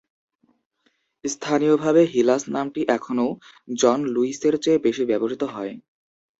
স্থানীয়ভাবে, হিলাস নামটি এখনও জন লুইসের চেয়ে বেশি ব্যবহৃত হয়।